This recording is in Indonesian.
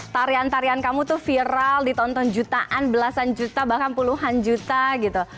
tarian tarian kamu tuh viral ditonton jutaan belasan juta bahkan puluhan juta gitu